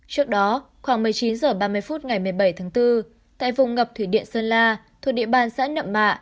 trước đó khoảng một mươi chín h ba mươi phút ngày một mươi bảy tháng bốn tại vùng ngập thủy điện sơn la thuộc địa bàn xã nậm mạ